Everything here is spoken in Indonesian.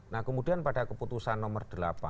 nah kemudian pada keputusan nomor delapan